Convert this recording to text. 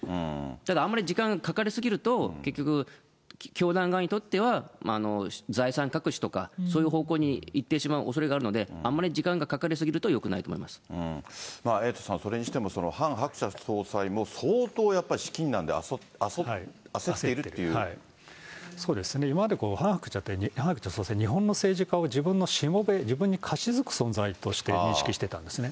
ただあんまり時間がかかりすぎると、結局、教団側にとっては財産隠しとか、そういう方向にいってしまうおそれがあるので、あんまり時間がかエイトさん、それにしてもハン・ハクチャ総裁も相当やっぱり資金難で焦っていそうですね、今までハン・ハクチャ総裁って、日本の政治家を自分のしもべ、自分にかしずく存在として認識していたんですね。